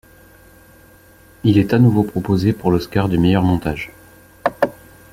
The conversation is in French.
Il est à nouveau proposé pour l'Oscar du meilleur montage.